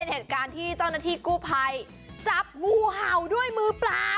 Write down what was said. เหตุการณ์ที่เจ้าหน้าที่กู้ภัยจับงูเห่าด้วยมือเปล่า